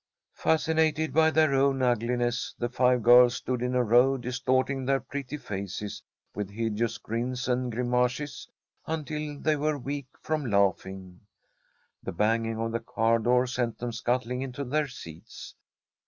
Fascinated by their own ugliness, the five girls stood in a row distorting their pretty faces with hideous grins and grimaces until they were weak from laughing. The banging of the car door sent them scuttling into their seats.